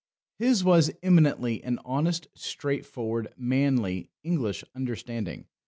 His was eminently an honest, straightforward, manly, English understanding.